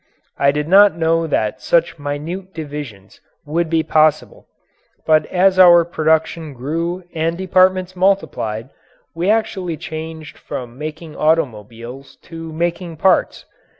I did not know that such minute divisions would be possible; but as our production grew and departments multiplied, we actually changed from making automobiles to making parts.